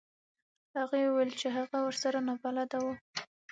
هغې وویل چې هغه ورسره نابلده و.